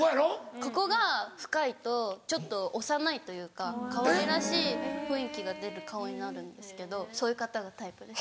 ここが深いとちょっと幼いというかかわいらしい雰囲気が出る顔になるんですけどそういう方がタイプです。